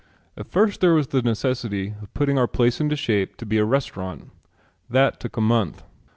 At first there was the necessity of putting our place into shape to be a restaurant. That took a month.